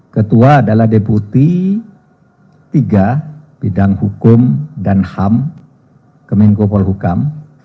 ketua adalah deputi iii bidang hukum dan ham kemenkopol hukam